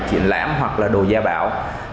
triển lãm hoặc đồ gia bảo